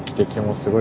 すごい。